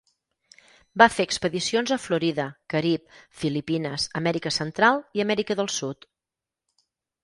Va fer expedicions a Florida, Carib, Filipines, Amèrica Central i Amèrica del Sud.